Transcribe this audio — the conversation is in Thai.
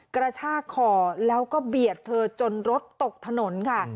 กระชากคอแล้วก็เบียดเธอจนรถตกถนนค่ะ